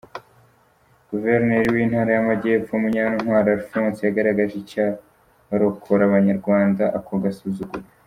Guverineri w’Intara y’Amajyepfo Munyantwari Alphonse yagaragaje icyarokora Abanyarwanda ako gasuzuguro.